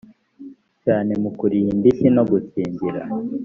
cyane mu kuriha indishyi no gukingira